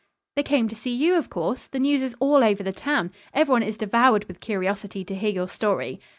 "They came to see you, of course. The news is all over town. Everyone is devoured with curiosity to hear your story."